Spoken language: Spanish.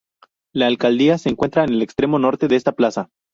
La Alcaldía se encuentra en el extremo norte de esta plaza.